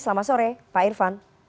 selamat sore pak irfan